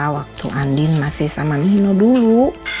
waktu andin masih sama mihino dulu